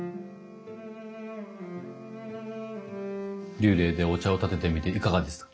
立礼でお茶を点ててみていかがですか？